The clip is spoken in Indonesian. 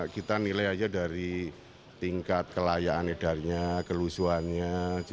kita nilai aja dari tingkat kelayaan edarnya kelusuannya